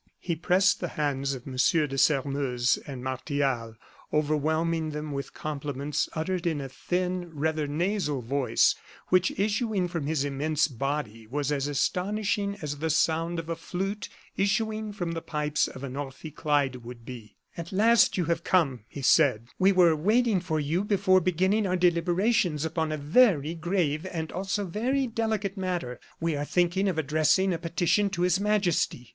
He pressed the hands of M. de Sairmeuse and Martial, overwhelming them with compliments uttered in a thin, rather nasal voice, which, issuing from his immense body, was as astonishing as the sound of a flute issuing from the pipes of an orphicleide would be. "At last you have come," he said; "we were waiting for you before beginning our deliberations upon a very grave, and also very delicate matter. We are thinking of addressing a petition to His Majesty.